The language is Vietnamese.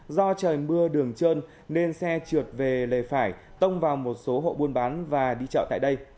do trời mưa đường trơn nên xe trượt về lề phải tông vào một số hộ buôn bán và đi chợ tại đây